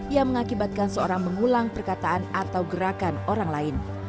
yang mengakibatkan seorang mengulang perkataan atau gerakan orang lain